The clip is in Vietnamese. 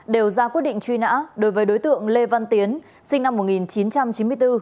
đều ra quyết định truy nã đối với đối tượng lê văn tiến sinh năm một nghìn chín trăm chín mươi bốn